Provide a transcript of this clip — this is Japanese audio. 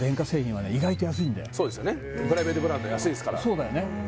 そうだよね